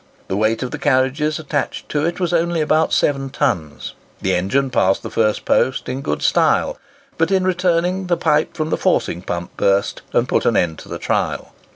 The weight of the carriages attached to it was only about 7 tons. The engine passed the first post in good style; but in returning, the pipe from the forcing pump burst and put an end to the trial.